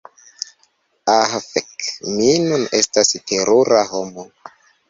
Ah fek' mi nun estas terura homo